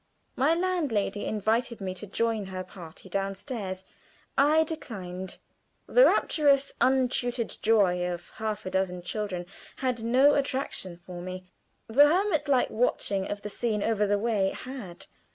My landlady invited me to join her party down stairs; I declined. The rapturous, untutored joy of half a dozen children had no attraction for me; the hermit like watching of the scene over the way had.